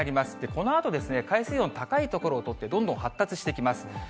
このあとですね、海水温高い所を通って、どんどん発達してきます。